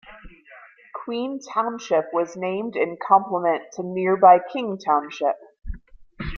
Queen Township was named in complement to nearby King Township.